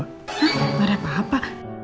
hah gak ada apa apa